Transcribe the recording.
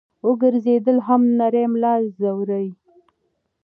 او ګرځېدل هم نرۍ ملا زوري -